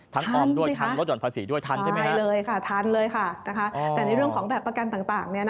ทันเลยทันในเรื่องของแบบประกันต่าง